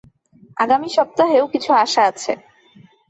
আগামী সপ্তাহেও কিছু আশা আছে।